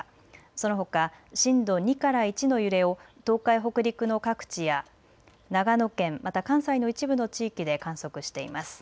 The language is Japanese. そのほか震度２から１の揺れを東海、北陸の各地や長野県、また関西の一部の地域で観測しています。